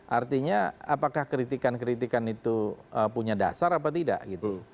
artinya apakah kritikan kritikan itu punya dasar apa tidak gitu